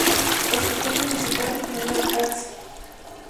Hospital municipal "Manuel Arce".